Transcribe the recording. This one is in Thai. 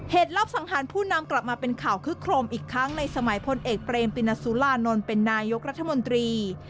รับสังหารผู้นำกลับมาเป็นข่าวคึกโครมอีกครั้งในสมัยพลเอกเปรมตินสุรานนท์เป็นนายกรัฐมนตรี